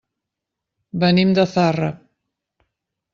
Venim de Zarra.